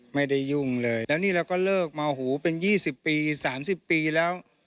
ยุ่งเลยแล้วนี่เราก็เลิกมาหูเป็น๒๐ปี๓๐ปีแล้ว